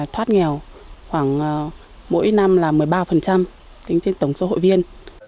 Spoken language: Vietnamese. thoát nghèo khoảng mỗi năm là một mươi ba tính trên tổng số hội viên